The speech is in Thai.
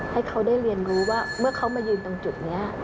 ให้เขาได้เรียนรู้ว่าเมื่อเขามายืนตรงจุดนี้